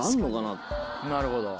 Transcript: なるほど。